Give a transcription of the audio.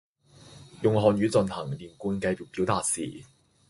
用漢語進行連貫嘅表達時